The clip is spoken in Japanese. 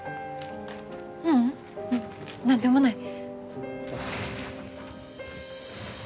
ううん何でもない。